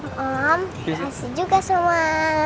makasih juga semua